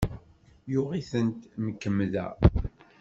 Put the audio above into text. Yuɣ itent, mkemmda.